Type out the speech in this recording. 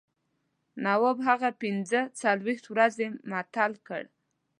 نواب هغه پنځه څلوېښت ورځې معطل کړ.